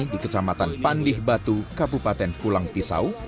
di kecamatan pandih batu kabupaten pulang pisau